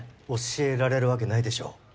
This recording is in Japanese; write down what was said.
教えられるわけないでしょ